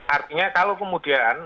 artinya kalau kemudian